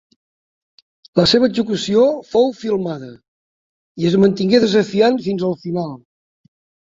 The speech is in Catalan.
La seva execució fou filmada, i es mantingué desafiant fins al final.